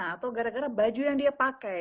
atau gara gara baju yang dia pakai